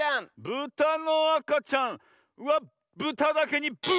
ブタのあかちゃんはブタだけにブーブー！